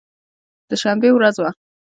د شنبې ورځ وه.